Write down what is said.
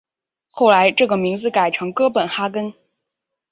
后来这个名字改成哥本哈根。